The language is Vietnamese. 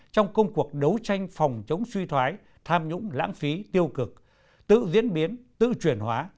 trong công cuộc đấu tranh phòng chống suy thoái tham nhũng lãng phí tiêu cực tự diễn biến tự chuyển hóa